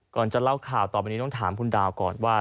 ก่อนจะเล่าข่าวต่อไปนี้ต้องถามคุณดาวก่อนว่า